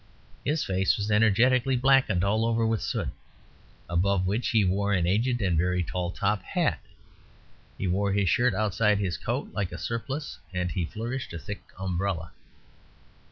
His face was energetically blacked all over with soot, above which he wore an aged and very tall top hat; he wore his shirt outside his coat like a surplice, and he flourished a thick umbrella.